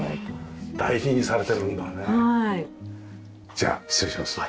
じゃあ失礼します。